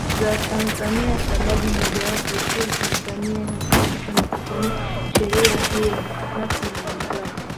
za Tanzania sababu mojawapo ikiwa Tanzania kupitisha na kutumia sheria hiyo Nape na wenzake